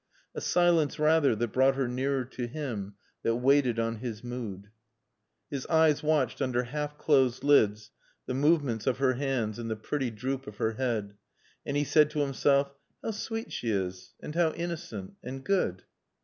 A silence, rather, that brought her nearer to him, that waited on his mood. His eyes watched under half closed lids the movements of her hands and the pretty droop of her head. And he said to himself, "How sweet she is. And how innocent. And good."